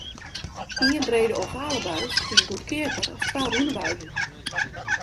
Ien brede ovale buis is goedkeaper as twa rûne buizen.